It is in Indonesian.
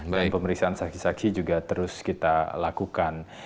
dan pemeriksaan saksi saksi juga terus kita lakukan